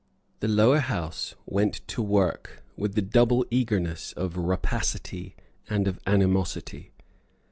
The Lower House went to work with the double eagerness of rapacity and of animosity.